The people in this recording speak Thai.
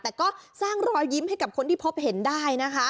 แต่ก็สร้างรอยยิ้มให้กับคนที่พบเห็นได้นะคะ